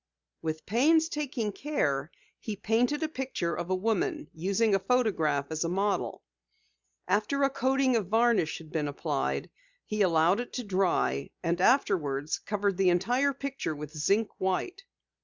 With painstaking care he painted a picture of a woman, using a photograph as a model. After a coating of varnish had been applied, he allowed it to dry and afterwards covered the entire picture with zinc white.